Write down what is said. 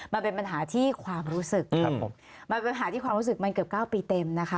มันเป็นปัญหาที่ความรู้สึกครับผมมันเป็นปัญหาที่ความรู้สึกมันเกือบเก้าปีเต็มนะคะ